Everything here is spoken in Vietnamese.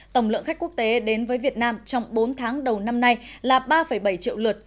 tổng lượng khách quốc tế đến với việt nam trong bốn tháng đầu năm nay là ba bảy triệu lượt